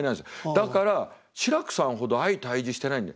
だから志らくさんほど相対峙してないんで。